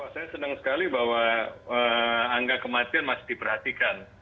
saya senang sekali bahwa angka kematian masih diperhatikan